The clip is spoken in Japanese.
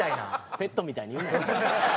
ペットみたいに言うな。